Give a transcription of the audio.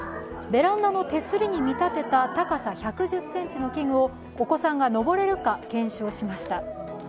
ベランダの手すりに見立てた高さ１１０ｃｍの器具をお子さんが登れるか検証しました。